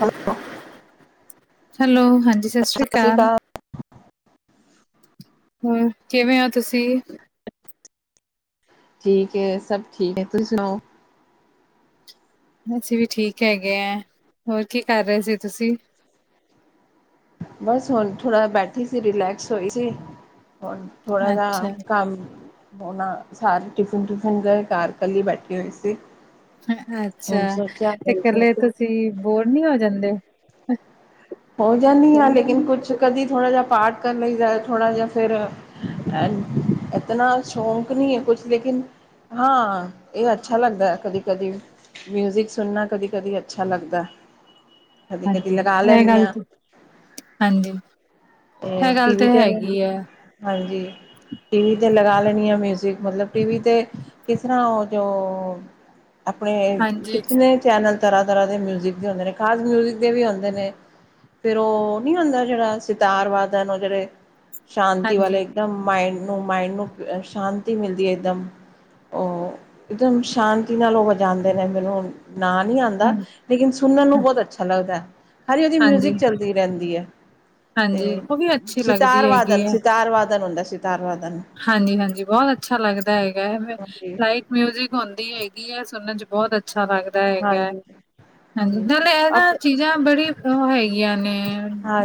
Hello, hello ਹਾਂਜੀ ਸਤਿ ਸ੍ਰੀ ਅਕਾਲ। ਹੂੰ, ਕਿਵੇਂ ਹੋ ਤੁਸੀਂ? ਠੀਕ ਐ ਸਭ ਠੀਕ ਐ ਤੁਸੀਂ ਸੁਣਾਓ। ਅਸੀਂ ਵੀ ਠੀਕ ਹੈਗੇ ਐ, ਹੋਰ ਕੀ ਕਰ ਰਹੇ ਸੀ ਤੁਸੀਂ। ਬਸ ਹੁਣ ਥੋੜਾ ਬੈਠੀ ਸੀ ਰਿਲੈਕਸ ਹੋਈ ਸੀ, ਹੁਣ। ਥੋੜਾ ਜਾ ਅੱਛਾ ਕੰਮ। ਹੁਣ ਸਾਰੇ ਟਿਫਿਨ ਟਿਫਨ ਦੇ ਘਰ, ਇਕੱਲੀ ਬੈਠੀ ਹੋਈ ਸੀ ਅੱਛਾ, ਹੁਣ ਸੋਚਿਆ ਤੇ ਇਕੱਲੇ ਤੁਸੀਂ ਬੋਰ ਨੀ ਹੋ ਜਾਂਦੇ। ਹੋ ਜਾਂਦੀ ਹਾਂ, ਲੇਕਿਨ ਕੁਛ ਕਦੀ ਥੋੜਾ ਜਿਹਾ ਪਾਠ ਕਰ ਲਈਦਾ ਥੋੜ੍ਹਾ ਜਿਹਾ ਫਿਰ ਇਤਨਾ ਸ਼ੌਂਕ ਨਹੀਂ ਐ ਕੁਛ ਲੇਕਿ ਹਾਂ, ਇਹ ਅੱਛਾ ਲੱਗਦਾ ਕਦੀ ਕਦੀ ਮਿਊਜਿਕ ਸੁਣਨਾ ਕਦੀ- ਕਦੀ। ਅੱਛਾ ਲੱਗਦਾ, ਕਦੀ- ਕਦੀ ਲਗਾ ਲੈ ਹਾਂਜੀ-ਹਾਂਜੀ ਇਹ ਗੱਲ ਟੀ ਤਾਂ ਵੀ 'ਤੇ ਹੈਗੀ ਹੈ। ਹਾਂਜੀ ਟੀ ਵੀ 'ਤੇ ਲਗਾ ਲੈਣੀ ਆ ਮਿਊਜ਼ਿਕ, ਮਤਲਬ ਟੀ ਵੀ 'ਤੇ ਕਿਸ ਤਰ੍ਹਾਂ ਉਹ ਜੋ, ਆਪਣੇ ਹਾਂਜੀ ਕਿਤਨੇ ਚੈਨਲ ਤਰ੍ਹਾਂ- ਤਰ੍ਹਾਂ ਦੇ ਮਿਊਜਿਕ ਦੇ ਹੁੰਦੇ ਨੇ। ਡਾਂਸ ਮਿਊਜ਼ਿਕ ਦੇ ਵੀ ਹੁੰਦੇ ਨੇ। ਫਿਰ ਓਹ ਨੀ ਹੁੰਦਾ ਜਿਹੜਾ ਸਿਤਾਰਵਾਦਨ ਓਹ ਜਿਹੜੇ, ਸ਼ਾਂਤੀ ਹਾਂਜੀ ਵਾਲੇ ਮ ਮਾਇੰਡ ਨੂੰ ਮਾਇੰਡ ਨੂੰ ਪ ਸ਼ਾਂਤੀ ਮਿਲਦੀ ਏ ਇਕਦਮ। ਓਹ, ਇੱਕਦਮ ਸ਼ਾਂਤੀ ਨਾਲ ਓਹ ਵਜਾਉਂਦੇ ਰਹਿੰਦੇ ਨੇ। ਹੋਣ ਨਾਂ ਨੀ ਆਉਦਾ, ਹਾਂਜੀ ਲੇਕਿਨ ਸੁਣਨ ਨੂੰ ਬਹੁਤ ਅੱਛਾ ਲੱਗਦਾ। ਅਰੇ ਓਹਦੀ ਮਿ ਹਾਂਜੀ ਚੱਲਦੀ ਰਹਿੰਦੀ ਹੈ, ਹਾਂਜੀ ਤੇ ਉਹ ਵੀ ਅੱਛੀ ਲੱਗਦੀ ਹੈਗੀ ਸਿਤਾਰਵਾਦਨ ਸਿਤਾ ਸਿਤਾਰਵਾਦਨ ਹੁੰਦਾ ਸਿਤਾਰਵਾਦਨ। ਹਾਂਜੀ-ਹਾਂਜੀ, ਬਹੁਤ ਅੱਛਾ ਲੱਗਦਾ ਹੈਗਾ ਬੇ, ਹਾਂਜੀ ਲਾਈਕ ਮਿਊਜਿਕ ਹੁੰਦੀ ਹੈਗੀ ਹੈ, ਸੁਣਨ ਚ ਬਹੁਤ ਅੱਛਾ ਲੱਗਦਾ ਦਾ ਹੈਗਾ। ਹਾਂਜੀ ਹਾਂਜੀ, ਜੀ ਨਾਲੇ ਐ ਅਪ ਨਾ ਚੀਜ਼ ਬੜੀ ਉਹ ਹੈਗੀਆਂ ਨੇ,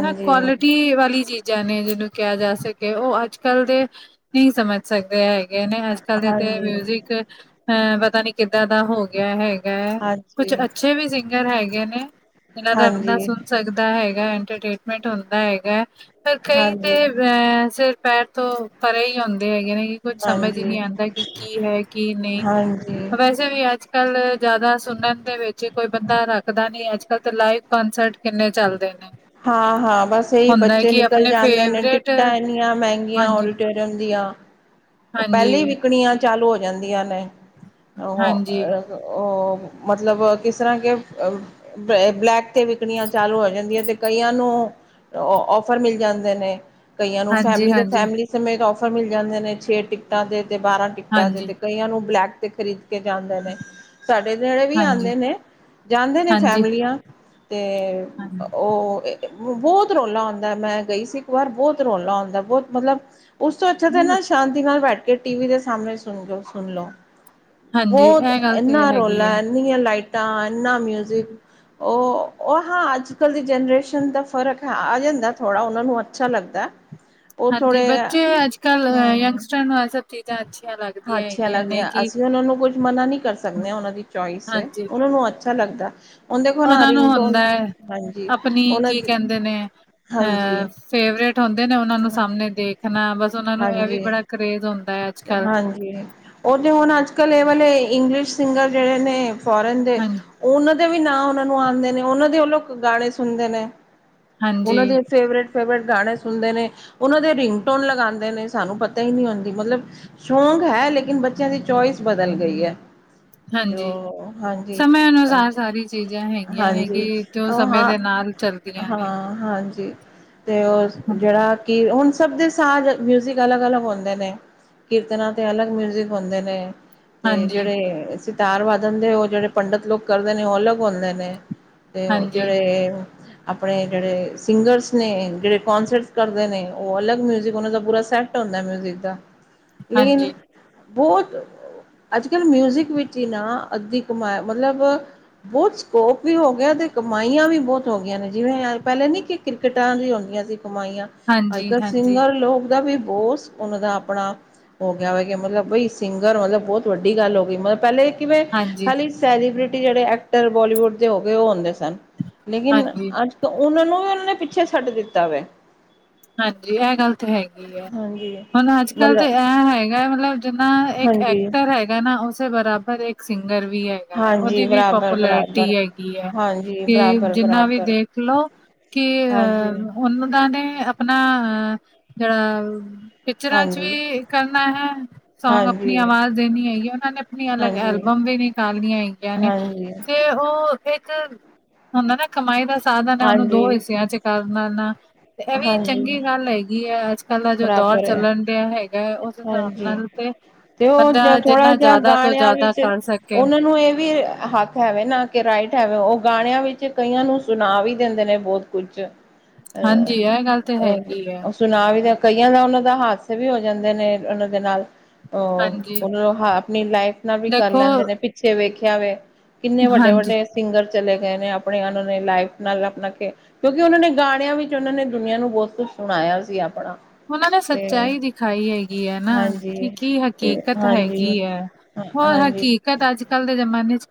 ਨਾ ਕੁਆਲਿਟੀ ਵਾਲੀ ਚੀਜ਼ ਜਾ ਨੇ ਜਿਹਨੂੰ ਕਿਹਾ ਜਾ ਸਕੇ ਉਹ ਅੱਜ- ਕੱਲ ਦੇ ਨਹੀਂ ਸਮਝ ਸਕਦੇ ਹੈਗੇ। ਹੈਗੇ ਨੇ ਅੱਜ- ਕੱਲ ਦੇ ਤੇ ਹਾਂਜੀ ਮਿਊਜਿਕ, ਅ ਪਤਾ ਨੀ ਕਿੱਦਾਂ ਦਾ ਹੋ ਗਿਆ ਹੈਗਾ। ਹੈਗਾ, ਹਾਂਜੀ ਕੁਛ ਅੱਛੇ ਵੀ ਸਿੰਗਰ ਹੈਗੇ ਨੇ, ਜਿਨਾਂ ਦਾ ਬੰਦਾ ਹਾਂਜੀ ਸੁਣ ਸਕਦਾ। ਹੁੰਦਾ ਹੈਗਾ ਇੰਟਰਟੇਨਮੈਂਟ ਹੁੰਦਾ ਹੈਗਾ ਪਰ ਕਈ ਤੇ ਹਾਂਜੀ ਅ ਪੈਰ ਤੋਂ ਪਰੇ ਹੀ ਹੁੰਦੇ ਹੈਗੇ ਨੇ। ਕੁਛ ਸਮਝ ਹੀ ਹਾਂਜੀ ਨਹੀਂ ਆਂਉਦਾ, ਕਿ ਕੀ ਹੈ ਕੀ ਨਹੀਂ ਹਾਂਜੀ ਵੈਸੇ ਕਿਸੇ ਵੀ ਅੱਜ ਕੱਲ੍ਹ ਜ਼ਿਆਦਾ ਸੁਣਨ ਦੇ ਵਿੱਚ ਕੋਈ ਬੰਦਾ ਰੱਖਦਾ ਨਹੀਂ ਅੱਜ ਕੱਲ੍ਹ ਤਾਂ ਲਾਈਵ ਕੰਨਸਰਟ। ਕਿੰਨੇ ਚੱਲਦੇ ਨੇ। ਹਾਂ- ਹਾਂ ਬਸ ਇਹੀ ਹੁੰਦਾ ਹੈ ਬੱਚੇ ਕਿ ਨਿਕਲ ਆਪਣੇ ਜਾਂਦੇ ਨੇ ਫੇਵਰੇਟ ਟਿਕਟਾਂ ਇੰਨੀਆਂ ਮਹਿੰਗੀਆਂ ਹਾਂਜੀ ਓਡੀਟੋਰੀ ਰਹਿੰਦੀਆ। ਉਹ ਹਾਂਜੀ ਪਹਿਲੇ ਵਿਕਣੀਆਂ ਚਾਲੂ ਹੋ ਜਾਂਦੀਆਂ ਨੇ ਅ ਹਾਂਜੀ ਉਹ ਮਤਲਬ, ਕਿਸ ਤਰ੍ਹਾਂ ਕੇ ਅ ਬਲੈਕ ਵਿਕਣੀਆਂ ਚਾਲੂ ਹੋ ਜਾਂਦੀਆਂ ਤੇ ਕਈਆਂ ਨੂੰ ਔਫਰ ਮਿਲ ਜਾਂਦੇ ਨੇ। ਕਈਆਂ ਨੂੰ ਹਾਂਜੀ ਫੈਮਲੀ ਦੇ ਹਾਂਜੀ ਫੈਮਲੀ ਸਮੇਂਤ ਔਫਰ ਮਿਲ ਜਾਂਦੇ ਨੇ ਛੇ ਟਿਕਟਾਂ ਤੇ ਤੇ ਬਾਰਾਂ ਟਿਕਟਾਂ ਹਾਂਜੀ ਤੇ। ਕਈਆਂ ਨੂੰ ਬਲੈਕ ਤੇ ਖਰੀਦ ਤੇ ਜਾਂਦੇ ਨੇ, ਸਾਡੇ ਨੇੜੇ ਵੀ ਹਾਂਜੀ ਆਉਦੇ ਨੇ ਜਾਂਦੇ ਨੇ ਹਾਂਜੀ ਫੈਮਲੀਆਂ। ਤੇ ਹਾਂ ਉਹ ਏ ਬਹੁਤ ਰੌਲਾ ਹੁੰਦਾ, ਮੈਂ ਗਈ ਸੀ ਇੱਕ ਵਾਰ ਬਹੁਤ ਰੌਲਾ ਹੁੰਦਾ ਬਹੁਤ ਮਤਲਬ ਉਸ ਤੋਂ ਅੱਛਾ ਤੇ ਨਾ ਸ਼ਾਂਤੀ ਨਾਲ ਬੈਠ ਕੇ ਟੀਵੀ ਦੇ ਸਾਹਮਣੇ ਸੁਣਲੋ ਸੁਣ ਲੋ। ਹਾਂਜੀ ਬਹੁਤ ਇਹ ਗੱਲ ਤੇ ਐਨਾ ਹੈਗੀ ਹੈ ਰੋਲਾ, ਇੰਨੀਆਂ ਲਾਈਟਾਂ, ਐਨਾ ਮਿਊਜਿਕ। ਉਹ ਓ ਹਾਂ, ਅੱਜ-ਕੱਲ੍ਹ ਦੀ ਜਨਰੇਸ਼ਨ ਦਾ ਫ਼ਰਕ ਹੈ ਆ ਜਾਂਦਾ ਥੋੜ੍ਹਾ, ਉਹਨਾਂ ਨੂੰ ਅੱਛਾ ਲੱਗਦਾ। ਉਹ ਹਾਂਜੀ, ਥੋੜ੍ਹੇ ਬੱਚੇ ਅੱਜ-ਕੱਲ੍ਹ ਅ ਹਮ ਯੰਗਸਟਰਾਂ ਨੂੰ ਐਹ ਸਭ ਚੀਜ਼ਾਂ ਅੱਛੀ ਹਾਂ, ਅੱਛਾ ਲੱਗਿਆ। ਅਸੀਂ ਓਹਨਾਂ ਨੂੰ ਕੁੱਝ ਮਨਾ ਨੀ ਕਰ ਸਕਦੇ ਆ, ਓਹਨਾਂ ਦੀ ਚੋਇਸ ਏ। ਹਾਂਜੀ ਓਹਨਾਂ ਨੂੰ ਅੱਛ ਤਾ ਲੱਗਦਾ। ਹੁਣ ਦੇਖੋ ਨਾ ਉਹਨਾਂ ਨੂੰ ਰਿੰਗਟੋਨ ਹੁੰਦਾ, ਹਾਂਜੀ ਅਪਣੀ ਉਹਨਾਂ ਕੀ ਦੀ ਕਹਿੰਦੇ ਨੇ? ਹਾਂਜੀ ਅਹ ਫੇਵਰੇਟ ਹੁੰਦੇ ਨੇ ਓਹਨਾਂ ਨੂੰ ਸਾਹਮਣੇ ਦੇਖਣਾ ਬਸ ਓਹਨਾਂ ਨੂੰ ਐਹ ਵੀ ਬੜਾ ਕਰੇਜ਼ ਹੁੰਦੈ ਅਜ-ਕੱਲ੍ਹ। ਹੈਗੀ ਐਂ। ਓਹ ਤੇ ਹੁਣ ਅੱਜ-ਕੱਲ ਏਹ ਵਾਲੇ ਇੰਗਲਿਸ਼ ਸਿੰਗਰ ਜੇੜੇ ਨੇ ਫੋਰਨ ਦੇ ਹਾਂਜੀ ਔ ਉਹਨਾਂ ਦੇ ਵੀ ਨਾਂ ਉਹਨਾਂ ਨੂੰ ਆੰਦੇ ਨੇ ਉਹਨਾਂ ਦੇ ਓਹ ਲੋਕ ਗਾਣੇ ਸੁਣਦੇ ਨੇ। ਉਹਨਾਂ ਹਾਂਜੀ ਦੇ ਫੇਵਰੇਟ-ਫੇਵਰੇਟ ਗਾਣੇ ਸੁਣਦੇ ਨੇ। ਓਹਨਾਂ ਦੇ ਰਿੰਗਟੋਨ ਲਗਾੰਦੇ ਨੇ ਸਾਨੂੰ ਪਤਾ ਹੀ ਨੀ ਹੁੰਦੀ। ਮਤਲਬ ਸ਼ੌਕ ਹੈ, ਲੇਕਿਨ ਬੱਚਿਆਂ ਦੀ ਚੋਇਸ ਬਦਲ ਗਈ ਐ। ਹਾਂਜੀ ਦੋ ਹਾਂਜੀ, ਸਮੇਂ ਅ ਅਨੁਸਾਰ ਸਾਰੀ ਚੀਜ਼ਾਂ ਹੈਗੀਆਂ ਨੇ ਕਿ ਹਾਂਜੀ। ਜੋ ਅ ਸਮੇਂ ਹਾਂ, ਦੇ ਨਾਲ ਚੱਲਦੀਆਂ ਨੇ ਹਾਂ ਹਾਂਜੀ। ਤੇ ਓਸ ਜੇੜਾ ਕਿ ਹੁਣ ਸਭ ਦੇ ਸਾਂਝ ਮਿਊਜ਼ਿਕ ਅਲੱਗ- ਅਲੱਗ ਹੁੰਦੇ ਨੇ। ਕੀਰਤਨਾਂ ਤੇ ਅਲੱਗ ਮਿਊਜਿਕ ਹੁੰਦੇ ਨੇ, ਤੇ ਹਾਂਜੀ ਜਿਹੜੇ ਸਿ ਤਾਰ ਵਾਦਣ ਦੇ ਓਹ ਜੇੜੇ ਪੰਡਤ ਲੋਕ ਕਰਦੇ ਨੇ ਓਹ ਅਲੱਗ ਹੁੰਦੇ ਨੇ। ਤੇ ਓਹ ਹਾਂਜੀ ਜੇੜੇ ਅਪਣੇ ਜੇੜੇ ਸਿੰਗਰਸ ਨੇ, ਜੇੜੇ ਕੋਂਸਰਟਸ ਕਰਦੇ ਨੇ, ਓਹ ਅਲੱਗ ਮਿਊਜ਼ਿਕ ਔਨਾਂ ਦਾ ਪੂਰਾ ਸੈੱਟ ਹੁੰ ਮਿਊਜਿਕ ਦਾ ਲੇਨ ਹਾਂਜੀ ਬਹੁਤ ਅੱਜ ਕੱਲ੍ਹ ਮਿਊਜਿਕ ਵਿੱਚ ਹੀ ਨਾ ਅੱਧੀ ਕਮਾਇ ਮਤਲਬ ਬਹੁਤ ਸਕੋਪ ਵੀ ਹੋ ਗਿਆ ਤੇ ਕਮਾਈਆਂ ਵੀ ਬਹੁਤ ਹੋ ਗਈਆਂ ਨੇ ਜਿਵੇਂ ਪਹਿਲੇ ਨੀ ਕਿ, ਕ੍ਰਿਕਟਾਂ ਵੀ ਆਉਂਦੀਆਂ ਸੀ ਕਮਾਈਆਂ। ਅੱਜ ਹਾਂਜੀ ਕੱਲ੍ਹ ਹਾਂਜੀ ਸਿੰਗਰ ਲੋਕ ਦਾ ਵੀ ਬਹੁਤ ਉਹਨਾਂ ਦਾ ਆਪਣਾ। ਹੋ ਗਿਆ ਹੋਏਗਾ ਮਤਲਬ ਬਈ ਸਿੰਗਰ ਮਤਲਬ ਬਹੁਤ ਵੱਡੀ ਗੱਲ ਹੋ ਗਈ ਮਤਲਬ ਪਹਿਲੇ ਕਿਵੇਂ ਹਾਂਜੀ ਖਾਲੀ, ਸੈਲੀਬ੍ਰਿਟੀ ਜਿਹੜੇ ਐਕਟਰ ਬੋਲੀਵੁੱਡ ਦੇ ਹੋ ਗਏ ਉਹ ਹੁੰਦੇ ਸਨ ਲੇਕਿਨ ਹਾਂਜੀ ਅੱਜ ਤੇ ਉਹਨਾਂ ਨੂੰ ਵੀ ਉਹਨਾਂ ਨੇ ਪਿੱਛੇ ਛੱਡ ਦਿੱਤਾ ਵਾ, ਹਾਂਜੀ ਇਹ ਗੱਲ ਤਾਂ ਹੈਗੀ ਹੈ ਹਾਂਜੀ ਹੁਣ ਅੱਜ ਕੱਲ੍ਹ ਤਾਂ ਮਤਲਬ ਇਹ ਹੈਗਾ ਮਤਲਬ ਜਿੰਨਾ ਇੱਕ ਹਾਂਜੀ ਐਕਟਰ ਹੈਗਾ ਨਾ ਉਸੇ ਬਰਾਬਰ ਇੱਕ ਸਿੰਗਰ ਵੀ ਹੈ। ਗੈ ਹਾਂਜੀ ਔਦੀ ਵੀ ਬਰਾਬਰ ਪਾਪੂਲੈਰਿਟੀ ਬਰਾਬਰ ਹੈਗੀ ਐਂ, ਹਾਂਜੀ ਕਿ ਬਰਾਬਰ ਜਿੰਨਾ ਵੀ ਬਰਾਬਰ ਦੇਖ ਲੋ ਕਿ ਹਾਂਜੀ ਅਹ ਹੋਣ ਉਹਨਾਂ ਨੇ ਅਪਣਾ ਅਹ ਜੇੜਾ ਉ ਪਿਚਰਾਂ ਚ ਹਾਂਜੀ ਵੀ ਕਰਨਾ ਹੈ। ਸੌਂਗ ਅਪਣੀ ਹਾਂਜੀ ਆਵਾਜ਼ ਦੇਣੀ ਹੈਗੀ ਏ, ਓਹਨਾਂ ਨੇ ਅਪਣੀ ਅਲੱਗ ਐਲਬਮ ਵੀ ਨਿਕਾਲਣੀਆਂ ਹੈਗੀਆਂ ਨੇ। ਸਹੀ ਹੈ। ਓਹ ਇੱਕ ਹੁੰਦਾ ਨਾ ਕਮਾਈ ਦਾ ਸਾਧਨ ਹੈ, ਓਹਨੂੰ ਦੋ ਹਾਂਜੀ ਹਿੱਸਿਆਂ ਚ ਕਰਰ ਨੈ ਨਾ। ਤੇ ਐ ਵੀ ਹਾਂਜੀ ਚੰਗੀ ਗੱਲ ਹੈਗੀ ਐਂ, ਅੱਜ-ਕੱਲ ਦਾ ਜੋ ਦੌਰ ਬਰਾਬਰ ਹੈ ਚੱਲਣ ਡਿਆ ਹੈਗੈ ਓਸ ਹਿਸਾਬ ਹਾਂਜੀ ਨਾਲ ਤੇ ਤੇ ਓਹ ਜ ਬੰਦਾ ਥੋੜਾ ਜਿੰਨਾ ਜਾ ਜ਼ਿਆਦਾ ਤੋਂ ਗਾਣਿਆਂ ਜ਼ਿਆਦਾ ਵਿੱਚ ਕਰ ਸਕੇ ਔਨਾਂ ਨੂੰ ਏਹ ਵੀ ਹੱ ਕ ਹੈਵੇ ਨਾ ਕਿ ਰਾਈਟ ਹੈਵੇ ਓਹ ਗਾਣਿਆਂ ਵਿੱਚ ਕਈਆਂ ਨੂੰ ਸੁਣਾ ਵੀ ਦਿੰਦੇ ਨੇ ਬੌਤ ਕੁਚ। ਹਾਂਜੀ, ਐ ਗੱਲ ਤੇ ਹੈਗੀ ਏ। ਸੁਣਾ ਵੀ ਦਾ ਕਈਆਂ ਦਾ ਓਨਾਂ ਦਾ ਹਾਦਸਾ ਵੀ ਹੋ ਜਾਂਦੇ ਨੇ ਉਨਾਂ ਦੇ ਨਾਲ। ਅ ਹਾਂਜੀ ਉਹਨਾਂ ਨੂੰ ਆਪਣੀ ਲਾਈਫ ਨਾਲ ਵੀ ਕਰ ਦੇਖੋ ਲੈਂਦੇ ਨੇ ਪਿੱਛੇ ਵੇਖਿਆ ਵ ਕਿੰਨੇ ਵੱਡੇ ਹਾਂਜੀ ਵੱਡੇ ਸਿੰਗਰ ਚਲੇ ਗਏ ਨੇ ਆਪਣੇ ਉਹਨਾਂ ਨੇ ਲਾਈਫ ਨਾਲ ਆਪਣਾ ਕਿਉਂਕਿ ਉਹਨਾਂ ਨੇ ਗਾਣਿਆਂ ਵਿੱਚ ਉਹਨਾਂ ਨੇ ਦੁਨੀਆਂ ਨੂੰ ਬਹੁਤ ਕੁਛ ਸੁਣਾਇਆ ਸੀ ਆਪਣਾ, ਉਹਨਾਂ ਨੇ ਤੇ ਸੱਚਾਈ ਦਿਖਾਈ ਹੈਗੀ ਹੈ ਨਾ ਹਾਂਜੀ ਕਿ ਕੀ ਹਕੀਕਤ ਹੈਗੀ ਹੈ। ਹਾਂ ਹੋਰ ਹਾਂ, ਹਕੀਕਤ ਅੱਜ ਕੱਲ੍ਹ ਦੇ ਜਮਾਨੇ ਚ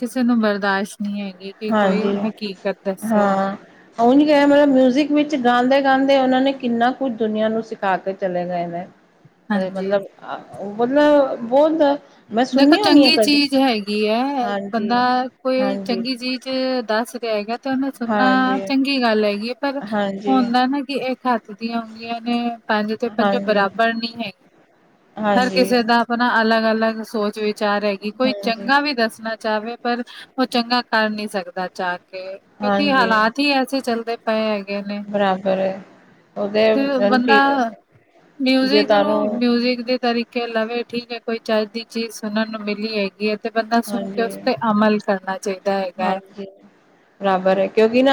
ਕਿਸੇ ਨੂੰ ਬਰਦਾਸ਼ਤ, ਨਹੀਂ ਹੈਗੀ ਕਿ ਕੋਈ ਹਾਂਜੀ ਹਕੀਕਤ ਦੱਸੇ ਉਂਝ ਗ ਮਤਲਬ ਮਿਊਜਿਕ ਵਿੱਚ ਗਾਉਂਦੇ ਗਾਂਦੇ ਉਹਨਾਂ ਨੇ ਕਿੰਨਾ ਕੁਝ ਦੁਨੀਆਂ ਨੂੰ ਸਿਖਾ ਕੇ ਚਲੇ ਗਏ ਨੇ, [unintelligible] ਮਤਲਬ-ਮਤਲਬ ਬੋਲਦਾ, ਦੇਖੋ ਚੰਗੀ ਚੀਜ਼ ਹੈਗੀ ਹੈ, ਹਾਂਜੀ ਬੰਦਾ ਕੋਈ ਹਾਂਜੀ ਚੰਗੀ ਚੀਜ਼ ਵਿੱਚ ਦੱਸ ਰਿਹਾ ਹੈਗਾ। ਤੇ ਉਹਨੇ ਸੁਣਨਾ ਹਾਂਜੀ ਚੰਗੀ ਗੱਲ ਹੈਗੀ ਪਰ ਹਾਂਜੀ ਹੁੰਦਾ ਨਾ ਕਿ ਇਹ ਖਾ ਆਂ ਹੁੰਦੀਆਂ ਨੇ ਪੰਜ ਤੇ ਪੰਜ ਹਾਂਜੀ ਬਰਾਬਰ ਨਹੀਂ ਹੈਗੀਆਂ, ਹਰ ਹਾਂਜੀ ਕਿਸੇ ਦਾ, ਆਪਣਾ, ਅਲੱਗ-ਅਲੱਗ ਸੋਚ ਵਿਚਾਰ ਹੈਗੀ, ਕੋਈ ਹਾਂਜੀ ਚੰਗਾ ਵੀ ਦੱਸਣਾ ਚਾਹਵੇ ਪਰ ਉਹ ਚੰਗਾ ਕਰ ਨੀ ਸਕਦਾ, ਜਾ ਕੇ ਕਿਉਂਕਿ ਹਾਂਜੀ ਹਾਲਾਤ ਹੀ ਐਸੇ ਚੱਲਦੇ, ਪਏ ਹੈਗੇ ਨੇ ਬਰਾਬਰ ਹੈ ਉਹਦੇ ਤੇ ਬੰਦਾ, ਜੇ ਮਿਊਜਿਕ ਨੂੰ ਤੁਹਾਨੂੰ ਮਿਊਜਿਕ ਦੇ ਤਰੀਕੇ, ਕੇ ਲਵੇ ਕੀ ਕੋਈ ਚੱਜ, ਦੀ ਚੀਜ਼ ਸੁਣਨ ਨੂੰ ਮਿਲੀ ਹੈਗੀ ਹੈ। ਤੇ ਬੰਦਾ ਸੁਣ ਕੇ, ਉਸ ਹਾਂਜੀ ਤੇ ਅਮਲ ਕਰਨਾ ਚਾਹੀਦਾ ਹੈਗਾ ਹੈ। [unintelligible] [unintelligible] ਬਰਾਬਰ ਹੈ, ਕਿਉਂਕਿ ਨਾ,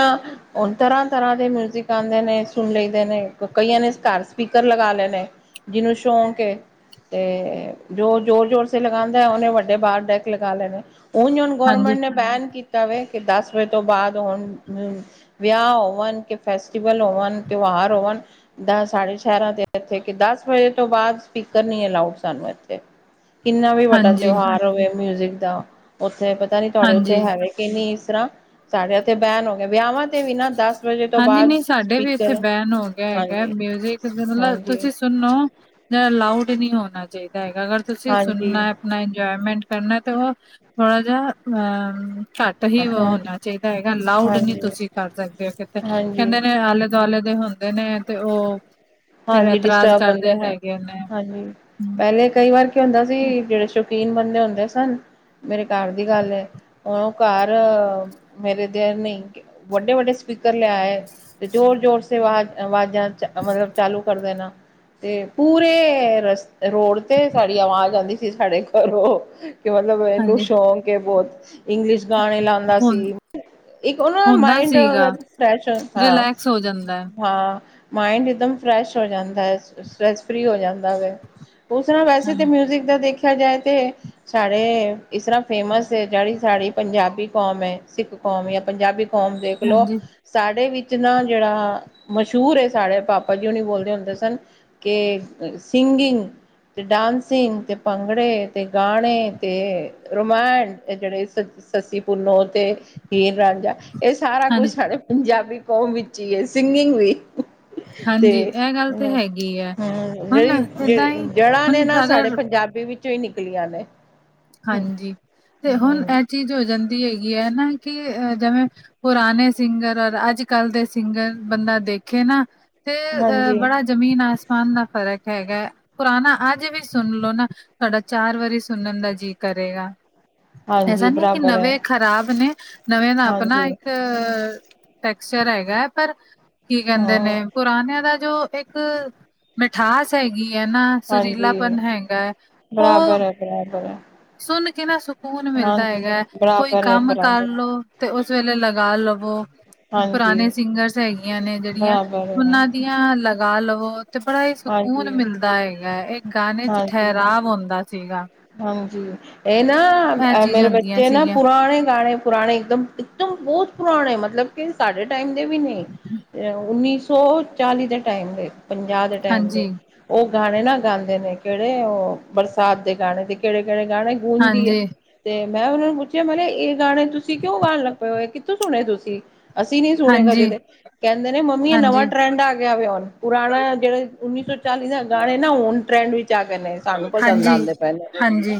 ਹਣ, ਤਰ੍ਹਾਂ-ਤਰ੍ਹਾਂ ਦੇ ਮਿਊਜਿਕ ਆਉਂਦੇ, ਨੇ ਸੁਣ ਲਦੇ ਨੇ ਕਈਆਂ ਨੇ ਘਰ ਸਪੀਕਰ ਲਗਾ ਲਏ ਨੇ, ਜਿਹਨੂੰ ਸ਼ੌਕ ਕੇ ਤੇ ਜੋ ਜੋੋਰ- ਜੋੋਰ ਲਗਾਉਂਦਾ ਹੈ, ਉਹਨੇ ਵੱਡੇ ਬਾਹਰ ਦੇ, ਲਗਾ ਲੈਣੇ ਉਂਜ ਹੁਣ ਹਾਂਜੀ ਗੌਰਮੈਂਟ ਨੇ ਬੈਨ ਕੀਤਾ ਵ ਕਿ, ਦਸ ਵਜੇ ਤੋਂ ਬਾਅਦ ਹੁਣ ਵਿਆਹ ਹੋਣ, ਕਿ ਫੈਸਟੀਵਲ ਹੋਵਣ, ਤਿਉਹਾਰ ਹੋਵਣ ਦ ਸਾਢੇ ਸ਼ਹਿਰਾ ਦੇ ਇੱਥੇ ਕਿ ਦਸ ਵਜੇ ਤੋਂ ਬਾਅਦ, ਸਪੀਕਰ ਨੀ ਅਲਾਊਡ ਸਾਨੂੰ ਇੱਥੇ ਕਿੰਨਾ ਵੀ ਵੱਡਾ ਹਾਂਜੀ ਤਿਉਹਾਰ ਹੋਵੇ, ਮਿਊਜਿਕ ਦਾ ਉੱਥੇ ਪਤਾ ਨੀ ਤੁਹਾਡੇ ਉੱਥੇ ਹਾਂਜੀ ਹੈਵੇ। ਨੀ ਇਸ ਤਰ੍ਹਾਂ, ਸਾਡੇ ਤੇ ਬੈਨ ਹੋ ਗਿਆ ਵਿਆਹਾਂ ਤੇ ਵੀ ਨਾ ਦਸ ਵਜੇ ਤੋਂ ਹਾਂਜੀ, ਬਾਅਦ ਨਹੀਂ ਸਾਡੇ ਵੀ ਇੱਥੇ ਸਪੀਕਰ ਬੈਨ ਹੋ ਗਿਆ ਹੈਗਾ, ਹਾਂਜੀ ਮਿਊਜਿਕ ਮਤਲਬ ਹਾਂਜੀ ਤੁਸੀਂ ਸੁਣੋ, ਜਾ ਲਾੳਡ ਨਹੀਂ ਹੋਣਾ ਚਾਹੀਦਾ ਹੈਗਾ, ਅਗਰ ਤੁਸੀਂ ਹਾਂਜੀ ਸੁਣਨਾ ਆਪ ਇੰਜੋਏਮੈਂਟ ਕਰਨਾ, ਤੇ ਉਹ ਥੋੜਾ ਜ ਘੱਟ ਹੀ ਹਾਂਜੀ ਹੋਣਾ ਚਾਹੀਦਾ ਹੈਗਾ, ਲਾਊਡ ਨਹੀਂ ਹਾਂਜੀ ਤੁਸੀਂ ਕਰ ਸਕਦੇ ਹੋ ਕਿਤੇ ਹਾਂਜੀ ਕਹਿੰਦੇ ਨੇ, ਆਲੇ -ਦੁਆਲੇ ਦੇ ਹੁੰਦੇ ਨੇ ਤੇ ਉਹ ਫਿਰ ਹਾਂਜੀ, ਇਤਰਾਜ਼ ਡਿਸਟਰਬ ਕਰਦੇ ਹੁੰਦੇ ਰ ਹੈਗੇ ਨੇ ਹਾਂਜੀ, ਪਹਿਲੇ ਕਈ ਵਾਰ ਕਹਿਦਾ ਸੀ, ਜਿਹੜੇ ਸ਼ੌਕੀਨ ਬੰਦੇ ਹੁੰਦੇ ਸਨ। ਮੇਰੇ ਘਰ ਦੀ ਗੱਲ ਹੈ, ਹੁਣ ਉਹ ਘਰ ਮੇਰੇ ਦੈਅਰ ਨਹੀਂ ਵੱਡੇ -ਵੱਡੇ ਸਪੀਕਰ ਲਿਆਏ ਤੇ ਜ਼ੋਰ- ਜ਼ੋਰ ਆਵਾਜ਼- ਆਵਾਜ਼ਾਂ ਚ ਮਤਲਬ ਚਾਲੂ ਕਰ ਦੇਣਾ। ਤੇ ਪੂਰੇ ਰੋਡ ਤੇ, ਤੁਹਾਡੀ ਆਵਾਜ਼ ਆਉਂਦੀ ਸੀ, ਸਾਡੇ ਘਰੋਂ, ਕਿ ਮਤਲਬ, ਇਹਨੂੰ ਹਾਂਜੀ ਸ਼ੌਕ ਕੇ ਬਹੁਤ, ਇੰਗਲਿਸ਼ ਗਾਣੇ ਲਾਉਂਦਾ ਹੁੰ ਸੀ। ਇੱਕ ਉਹ ਦਾ, ਹੁੰਦਾ ਮਾਈੰਡ ਸੀਗਾ ਫਰੈਸ਼ ਹਾਂ ਰਿਲੈਕਸ ਹੋ ਜਾਂਦਾ ਹੈ -ਹਾਂ। ਮਾਇੰਡ, ਇੱਕਦਮ ਫਰੈਸ਼ ਹੋ ਜਾਂਦਾ, ਹੈ ਸਟਰੈਸ ਫਰੀ ਹੋ ਜਾਂਦਾ ਵੇ ਉਸ ਨਾਲ, ਵੈਸੇ ਤਾਂ ਹਾਂਜੀ ਮਿਊਜਿਕ ਦਾ ਦੇਖਿਆ, ਜਾਏ ਤੇ, ਸਾਡੇ ਇਸ ਤਰ੍ਹਾਂ ਫੇਮਸ ਹੈ, ਜਿਹੜੀ ਸਾਡੀ ਪੰਜਾਬੀ ਕੌਮ ਹੈ, ਸਿੱਖ ਕੌਮ ਜਾਂ ਪੰਜਾਬੀ ਕੌਮ ਦੇਖ ਲੋ, ਹਾਂਜੀ ਸਾਡੇ ਵਿੱਚ ਨਾ ਜਿਹੜਾ ਮਸ਼ਹੂਰ ਸਾਡੇ ਪਾਪਾ ਜਉ ਨਹੀਂ, ਬੋਲਦੇ ਹੁੰਦੇ ਸਨ, ਕਿ ਸਿੰਗਿੰਗ। ਅਤੇ ਡਾਂਸਿੰਗ, ਅਤੇ ਭੰਗੜੇ, ਅਤੇ ਗਾਣੇ, ਅਤੇ ਰੋਮੈਂਟ ਜਿਹੜੇ, ਸੱਸੀ -ਪੁੰਨੋ ਤੇ ਹੀਰ -ਰਾਂਝਾ ਇਹ ਸਾਰਾ ਹਾਂਜੀ ਕੁਛ, ਸਾਡੇ ਪੰਜਾਬੀ ਕੌਮ ਵਿੱਚ ਹੀ ਹੈ, ਸਿੰਗਿੰਗ ਵੀ। ਤੇ ਹਾਂਜੀ ਇਹ ਗੱਲ ਤੇ ਹੈਗੀ ਹੈ ਅ ਹੁਣ ਜਿਹੜੀ ਏਦਾਂ ਜ ਹੀ ਜੜ੍ਹਾਂ ਨੇ ਹੁਣ ਨਾ, ਸਾਡੇ ਅਗਰ ਪੰਜਾਬੀ ਵਿੱਚ ਚ ਕਈ ਨਿਕਲੀਆਂ ਨੇ ਹਾਂਜੀ, ਤੇ ਹੁਣ ਹਮ ਇਹ ਚੀਜ਼ ਹੋ ਜਾਂਦੀ ਹੈਗੀ ਹੈ ਨਾ, ਕਿ ਜਿਵੇਂ ਪੁਰਾਣੇ ਸਿੰਗਰ, ਔਰ ਅੱਜ -ਕੱਲ੍ਹ ਦੇ ਸਿੰਗਰ, ਬੰਦਾ ਦੇਖੇ ਨਾ ਤੇ, ਅ ਹਾਂਜੀ ਬੜਾ ਜ਼ਮੀਨ, ਆਸਮਾਨ ਦਾ, ਫ਼ਰਕ ਹੈਗਾ। ਪੁਰਾਣਾ, ਅੱਜ ਵੀ ਸੁਣ ਲਓ ਨਾ, ਤੁਹਾਡਾ ਚਾਰ ਵਾਰੀ ਸੁਣਨ ਦਾ ਜੀਅ ਕਰੇਗਾ। ਐਸਾ ਹਾਂਜੀ ਨਹੀਂ ਹੈ, ਕਿ, ਬਰਾਬਰ ਨਵੇਂ ਖ਼ਰਾਬ ਨੇ ਨਵੇਂ ਦਾ, ਆਪਣਾ ਹਾਂਜੀ ਇੱਕ ਟੈਕਸਚਰ ਹੈਗਾ ਹੈ, ਪਰ ਕੀ ਕਹਿੰਦੇ ਹਾਂ ਨੇ ਪੁਰਾਣਿਆਂ ਦਾ ਜੋ ਇੱਕ, ਮਿਠਾਸ ਹੈਗੀ ਹੈ ਨਾ ਹਾਂਜੀ ਸੁਰੀਲਾਪਨ ਹੈਗਾ, ਹੈ ਉਹ ਬ [inaudible] ਸੁਣ ਕੇ ਨਾ, ਸਕੂਨ ਮਿਲਦਾ ਹੈਗਾ, ਕੋਈ ਬਰਾਬਰ ਹੈ ਕੰਮ ਬਰਾਬਰ ਕਰਲੋ ਤੇ ਉਸ ਵੇਲੇ ਲਗਾ ਲਵੋ? ਹਾਂਜੀ ਪੁਰਾਣੇ ਸਿੰਗਰਸ ਹੈਗੀਆਂ ਨੇ ਜਿਹੜੀਆਂ, ਬਰਾਬਰ ਹੈ ਉਹਨਾਂ ਦੀਆਂ ਲਗਾ ਲਵੋ। ਤੇ ਬੜਾ ਹੀ ਸਕੂਨ ਹਾਂਜੀ ਮਿਲਦਾ ਹੈਗਾ ਇਹ ਗਾਣੇ ਚ ਹਾਂਜੀ ਠਹਿਰਾਵ ਹੁੰਂਦਾ ਸੀਗਾ। ਹਾਂਜੀ ਇਹ ਇਹ ਨਾ ਚੀਜ਼ ਮੇਰੇ ਹੁੰਦੀਆਂ ਬੱਚੇ ਨਾ ਸੀਗੀਆਂ ਪੁਰਾਣੇ ਗਾਣੇ। ਪੁਰਾਣੇ ਇੱਕਦਮ ਇੱਕਦਮ ਬਹੁਤ ਪੁਰਾਣੇ ਮਤਲਬ। ਸਾਡੇ ਟਾਈਮ ਦੇ ਵੀ ਨਹੀਂ ਉੱਨੀ ਸੌ ਚਾਲੀ ਦੇ ਟਾਈਮ ਦੇ। ਪੰਜਾਹ ਦੇ ਟਾਈਮ ਦੇ ਹਾਂਜੀ ਉਹ ਗਾਣੇ ਨਾ ਗਾਉਂਦੇ ਨੇ ਕਿਹੜੇ ਉਹ ਬਰਸਾਤ। ਦੇ ਗਾਣੇ ਤੇ ਕਿਹੜੇ ਕਿਹੜੇ ਗਾਣੇ ਗੂੰਦੀ ਹੈ। ਹਾਂਜੀ ਤੇ ਮੈਂ ਉਹਨਾਂ ਨੂੰ ਪੁੱਛਿਆ ਮੈ ਇਹ ਗਾਣੇ ਤੁਸੀਂ ਕਿਉਂ ਗਾਉਣ ਲੱਗ ਪਏ ਹੋ ਕਿੱਥੋਂ ਸੁਣੇ ਤੁਸੀਂ? ਅਸੀਂ ਨਹੀਂ ਸੁਣੇ ਕਦੇ ਹਾਂਜੀ, ਤੇ। ਕਹਿੰਦੇ ਨੇ ਮੰਮੀ ਇਹ ਨਵਾਂ ਹਾਂਜੀ, ਟਰੈਂਡ ਆ ਗਿਆ ਵੇ ਹੁਣ ਪੁਰਾਣਾ ਜਿਹੜੇ ਉੱਨੀ ਸੌ ਚਾਲੀ ਦੇ ਗਾਣੇ ਨਾ ਹੁਣ ਟਰੈਂਡ ਵਿੱਚ। ਜਾ ਕੇੇ ਸਾਨੂੰ ਪਸੰਦ ਹਾਂਜੀ, ਆਉਂਦੇ ਨੇ। ਪਏ ਹਾਂਜੀ।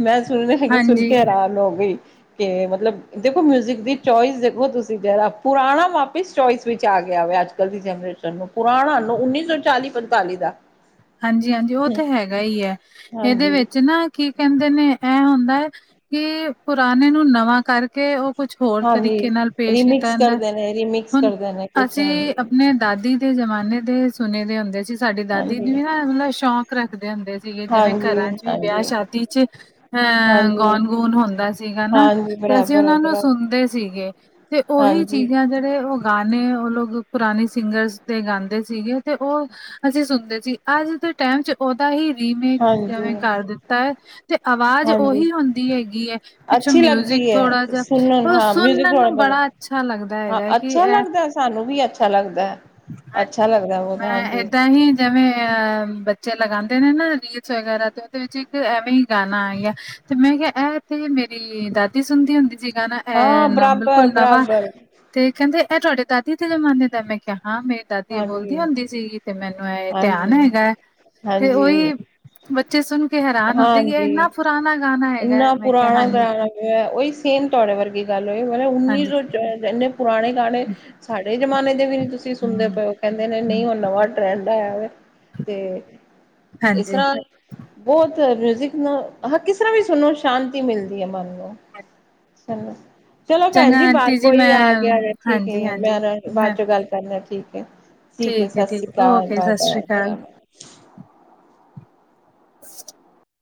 ਮੈਂ ਸੁਣ ਨੇ ਹੈ ਕਿ ਸੁਣ ਹਾਂਜੀ, ਕੇ ਹੈਰਾਨ ਹੋ ਗਈ। ਕਿ ਮਤਲਬ ਦੇਖੋ ਮਿਊਜਿਕ ਦੀ ਚੋਇਸ ਦੇਖੋ ਤੁਸੀਂ ਜ ਪੁਰਾਣਾ ਵਾਪਿਸ ਚੋਇਸ ਵਿੱਚ ਆ ਗਿਆ ਵਾ ਅੱਜ। ਨਵੀਂ ਜਨਰੇਸ਼ਨ ਨੂੰ ਪੁਰਾਣਾ ਨੂੰ ਉੱਨੀ ਸੌ ਚਾਲੀ ਪੰਤਾਲੀ ਦਾ। ਹਾਂਜੀ ਹਾਂਜੀ ਉਹ ਤਾਂ ਹੈਗਾ ਹੀ ਹੈ, ਇਹਦੇ ਹਾਂਜੀ, ਵਿੱਚ ਨਾ। ਕੀ ਕਹਿੰਦੇ ਨੇ ਇਹ ਹੁੰਦਾ ਹੈ, ਕਿ ਪੁਰਾਣੇ ਨੂੰ ਨਵਾਂ ਕਰ। ਕੇ ਉਹ ਕੁਛ ਹੋਰ ਹਾਂਜੀ ਤਰੀਕੇ ਨਾਲ ਪੇਸ਼ ਕੀਤਾ ਰੀਮਿਕਸ ਜਾਂਦਾ ਹੈ, ਕਰਦੇ ਨੇ ਰੀਮਿਕਸ ਹੁਣ ਕਰਦੇ ਨੇ ਕੁਛ ਅਸੀਂ ਹਾਂਜੀ। ਆਪਣੇ ਦਾਦੀ। ਦੇ ਜ਼ਮਾਨੇ ਦੇ ਸੁਣੇ ਦੇ ਹੁੰਦੇ ਸੀ, ਸਾਡੀ ਦਾਦੀ। ਦਿਨ ਹਾਂਜੀ, ਵੀ ਨਾ ਮਤਲਬ ਸ਼ੌਂਕ ਰੱਖਦੇ ਹੁੰਦੇ ਸੀਗੇ, ਜਿਵੇਂ ਹਾਂਜੀ, ਘਰਾਂ ਚ ਵੀ ਵਿਆਹ ਹਾਂਜੀ, ਸ਼ਾਦੀ ਚ। ਹਾਂ ਹਾਂਜੀ। ਗਾਣ ਗੂਣ ਹੁੰਦਾ ਸੀਗਾ ਨਾ ਹਾਂਜੀ ਤੇ, ਅਸੀਂ ਬਰਾਬਰ ਹੈ ਉਹਨਾਂ ਨੂੰ ਬਰਾਬਰ ਸੁਣਦੇ ਸੀਗੇ। ਤੇ ਉਹੀ ਹਾਂਜੀ, ਚੀਜ਼ਾਂ ਜਿਹੜੇ ਉਹ। ਗਾਣੇ ਉਹ ਲੋਕ ਪੁਰਾਣੇ ਸਿੰਗਰਸ ਦੇ ਗਾਂਦੇ ਸੀਗੇ ਤੇ ਉਹ ਅਸੀਂ ਸੁਣਦੇ। ਸੀ ਅੱਜ ਦੇ। ਟਾਈਮ ਚ ਉਹਦਾ ਹੀ ਰੀਮੇਕ ਹਾਂਜੀ, ਜਿਵੇਂ ਕਰ ਦਿੱਤਾ ਹੈ ਤੇ ਆਵਾਜ਼ ਹਾਂਜੀ। ਉਹੀ ਹੁੰਦੀ ਹੈਗੀ ਹੈ। ਪਿੱਛੋਂ ਅੱਛੀ ਲੱਗਦੀ ਮਿਊਜਿਕ ਥੋੜਾ ਹੈ ਜਿਹਾ ਸੁਣਨ ਉਹ ਹਾਂ ਮਿਊਜ਼ਿਕ ਸੁਣਨ ਨੂੰ ਥੋੜਾ ਬੜਾ ਅੱਛਾ ਲੱਗਦਾ ਹਾਂ ਹੈਗਾ ਹੈ। ਕਿ ਅੱਛਾ ਇਹ ਲੱਗਦਾ ਸਾਨੂੰ ਵੀ ਅੱਛਾ ਲੱਗਦਾ ਅੱਛਾ ਹਾਂਜੀ। ਲੱਗਦਾ ਬਹੁਤ ਮੈਂ ਹਾਂਜੀ। ਏਦਾਂ ਹੀ ਜਿਵੇਂ ਅ ਬੱਚੇ ਲਗਾਉਂਦੇ ਨੇ ਨਾ ਰੀਲਸ ਵਗੈਰਾ ਤੇ ਉਹਦੇ ਵਿੱਚ ਇੱਕ ਐਵੇਂ ਹੀ ਗਾਣਾ ਆਇਆ। ਤੇ ਮੈਂ ਕਿਹਾ ਇਹ ਤੇ ਮੇਰੀ ਦਾਦੀ ਸੁਣਦੀ ਹੁੰਦੀ। ਸੀਗਾ ਨਾ ਹਾਂ ਇਹ ਬਰਾਬਰ ਬਿਲਕੁਲ ਨਵਾਂ। ਬਰਾਬਰ ਤੇ ਕਹਿੰਦੇ ਇਹ ਤੁਹਾਡੇ ਦਾਦੀ ਦੇ ਜ਼ਮਾਨੇ ਦਾ ਮੈਂ ਕਿਹਾ ਹਾਂ। ਮ ਦਾਦੀ ਇਹ ਹਾਂਜੀ ਬੋਲਦੀ ਹੁੰਦੀ ਸੀਗੀ ਤੇ ਮੈਨੂੰ ਐ ਧਿਆਨ ਹਾਂਜੀ ਹੈਗਾ ਹੈ। ਤੇ ਹਾਂਜੀ ਉਹੀ ਬੱਚੇ ਸੁਣ ਕੇ ਹੈਰਾਨ ਹੁੰਦੇ ਹਾਂਜੀ ਇੰਨਾ ਪੁਰਾਣਾ ਗਾਣਾ ਹੈਗਾ ਹੈ। ਇੰਨਾ ਮੈਂ ਕਿਹਾ ਪੁਰਾਣਾ ਹਾਂਜੀ ਗਾਣਾ ਉਹੀ ਸੇਮ ਤੁਹਾਡੇ ਵਰਗੀ ਗੱਲ ਹੋਈ ਮਤਲਬ ਉੱਨੀ ਹਾਂਜੀ ਸੌ ਇੰਨੇ ਪੁਰਾਣੇ ਗਾਣੇ। ਸਾ ਨਏ ਜਮਾਨੇ ਦੇ ਵੀ ਨੀ ਤੁਸੀਂ ਸੁਣਦੇ ਹੂੰ ਪਏ ਹੋ ਕਹਿੰਦੇ ਨੇ ਨਹੀਂ ਹੂੰ ਉਹ ਨਵਾਂ ਟਰੈਂਡ ਆਇਆ। ਤੇ, ਇਸ ਹਾਂਜੀ ਤਰ੍ਹਾਂ। ਬਹੁਤ ਮਿਊਜਿਕ ਨੂੰ ਹਾਂ ਕਿਸ ਤਰ੍ਹਾਂ ਵੀ ਸੁਣੋ ਸ਼ਾਂਤੀ ਮਿਲਦੀ ਹੈ ਮਨ ਨੂੰ। ਚੱਲ। ਚਲੋ ਭੈਣ ਚੰਗਾ ਜੀ ਬਾਹਰ ਆਂਟੀ ਮੈਂ ਕੋਈ ਆ ਗਿਆ ਠੀਕ ਹਾਂਜੀ ਹੈ। ਹਾਂਜੀ ਮੈਂ ਮੈਂ ਬਾਅਦ ਚੋਂ ਗੱਲ ਕਰਨਾ ਠੀਕ ਹੈ। ਠੀਕ ਹੈ, ਸਤਿ ਸ਼੍ਰੀ ਅਕਾਲ ਬਾਏ ਬਾਏ। [unintelligible]